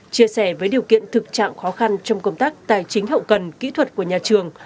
chia sẻ với điều kiện thực trạng khó khăn trong công tác tài chính hậu cần kỹ thuật của nhà trường